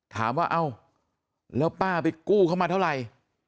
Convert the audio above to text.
ถามว่าเอ้าแล้วป้าไปกู้เข้ามาเท่าไหร่